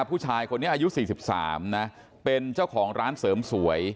ผู้ชายคนนี้อายุ๔๓นะเป็นเจ้าของร้านเสริมสวย